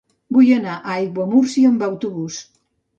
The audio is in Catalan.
Vull anar a Aiguamúrcia amb autobús.